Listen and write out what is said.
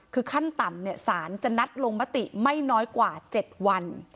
คือขั้นต่ำสารจะนัดลงมติไม่น้อยกว่า๗วัน